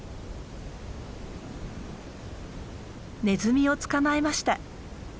ネズミを捕まえました。